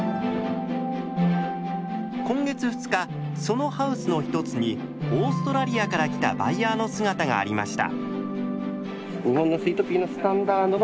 今月２日そのハウスの１つにオーストラリアから来たバイヤーの姿がありました。